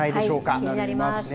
気になります。